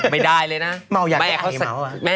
ไม่ได้เลยนะ